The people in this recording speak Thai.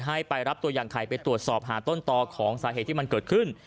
ให้ไปรับตัวอย่างไข่ไปตรวจสอบหาต้นต่อของสาเหตุที่มันเกิดขึ้น